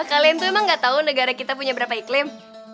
kalian tuh emang gak tahu negara kita punya berapa iklim